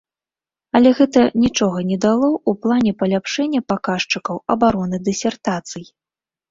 Але гэта нічога не дало ў плане паляпшэння паказчыкаў абароны дысертацый.